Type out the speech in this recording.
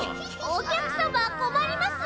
お客様困ります！